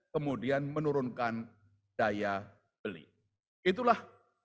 kemudian menurunkan daya beli itulah